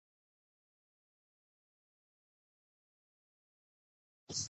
لوستې میندې د ماشوم د بدن ساتنه مهم ګڼي.